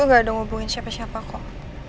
gue gak ada ngubungin siapa siapa kok